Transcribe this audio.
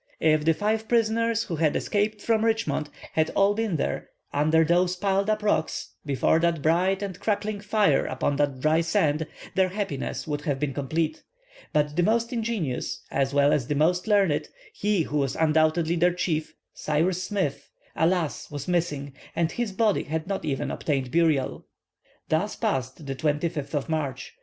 If the five prisoners who had escaped from Richmond had all been there, under those piled up rocks, before that bright and crackling fire upon that dry sand, their happiness would have been complete. But the most ingenious, as well as the most learned—he who was undoubtedly their chief, Cyrus Smith—alas! was missing, and his body had not even obtained burial. Thus passed the 25th of March.